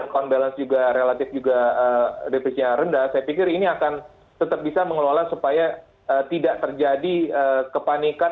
count balance juga relatif juga defisinya rendah saya pikir ini akan tetap bisa mengelola supaya tidak terjadi kepanikan